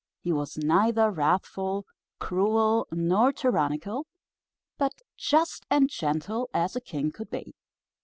He was neither wrathful, cruel, nor tyrannical, but just and gentle as a king could be.